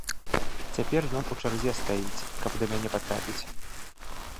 Цяпер ён у чарзе стаіць, каб да мяне патрапіць.